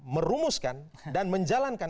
merumuskan dan menjalankan